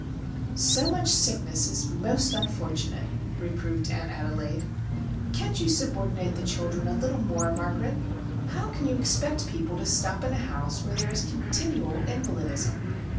"So much sickness is most unfortunate," reproved Aunt Adelaide. "Can't you subordinate the children a little more, Margaret? How can you expect people to stop in a house where there is continual invalidism?"